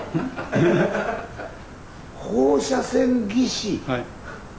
放射線技師⁉はい。